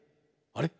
あれ？